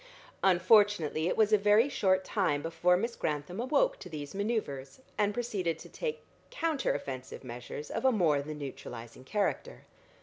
Unfortunately it was a very short time before Miss Grantham awoke to these manoeuvres, and proceeded to take counter offensive measures of a more than neutralising character.